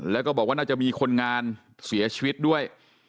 แล้วก็บอกว่าน่าจะมีคนงานเสียชีวิตด้วย